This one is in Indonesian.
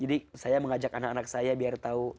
jadi saya mengajak anak anak saya biar tahu